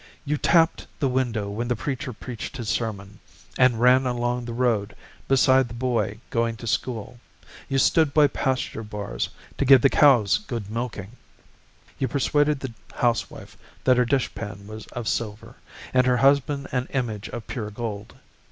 You tapped the window when the preacher preached his sermon, And ran along the road beside the boy going to school. You stood by pasture bars to give the cows good milking, You persuaded the housewife that her dish pan was of silver And her husband an image of pure gold.